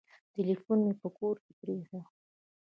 ټلیفون مي په کور کي پرېښود .